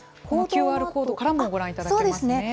このＱＲコードからもご覧いただけますね。